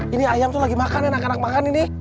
ini ayam tuh lagi makan anak anak makan ini